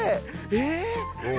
えっ⁉